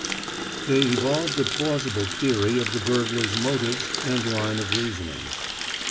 They evolved a plausible theory of the burglar's motives and line of reasoning.